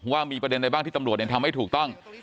ว่ามีประเด็นใดบ้างที่ตำรวจทำให้ถูกต้อง